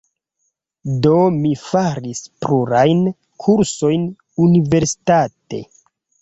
Do mi faris plurajn kursojn universitate.